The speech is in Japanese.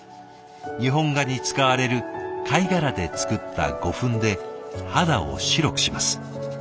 日本画に使われる貝殻で作った胡粉で肌を白くします。